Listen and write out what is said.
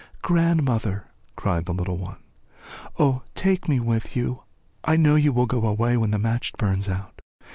"Oh, grandmother," cried the child, "take me with you. I know you will go away when the match burns out.